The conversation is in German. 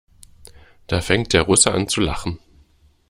Da fängt der Russe an zu lachen.